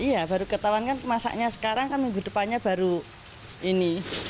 iya baru ketahuan kan masaknya sekarang kan minggu depannya baru ini